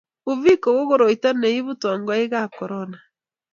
Uviko ko koroito ne ibu tongoikab korona.